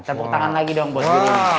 tepuk tangan lagi dong bos guru